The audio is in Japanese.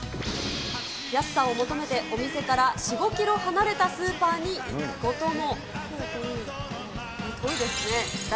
安さを求めて、お店から４、５キロ離れたスーパーに行くことも。